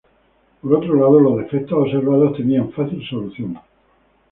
Por otro lado, los defectos observados tenían fácil solución.